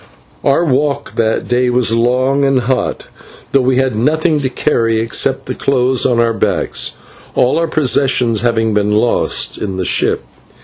Our walk that day was long and hot, though we had nothing to carry except the clothes on our backs, all our possessions, having been lost in the ship.